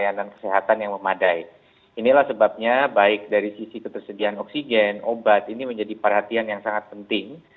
inilah sebabnya baik dari sisi ketersediaan oksigen obat ini menjadi perhatian yang sangat penting